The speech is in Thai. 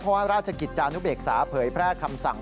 เพราะว่าราชกิจจานุเบกษาเผยแพร่คำสั่ง